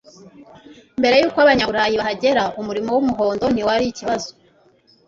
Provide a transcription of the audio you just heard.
mbere yuko abanyaburayi bahagera, umuriro w'umuhondo ntiwari ikibazo